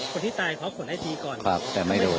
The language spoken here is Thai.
คนที่ตายฟ้าขวดไล่ตีก่อนครับแต่ไม่โดน